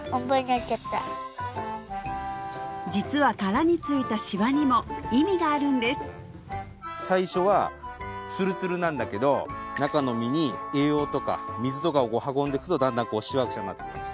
実は殻についたしわにも意味があるんです最初はツルツルなんだけど中の実に栄養とか水とかを運んでくとだんだんしわくちゃになってきます